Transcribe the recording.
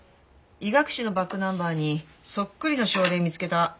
医学誌のバックナンバーにそっくりの症例見つけた。